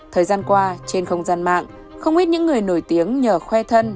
thời gian qua trên không gian mạng không ít những người nổi tiếng nhờ khoe thân